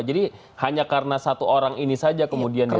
jadi hanya karena satu orang ini saja kemudian dirawat